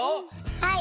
はい。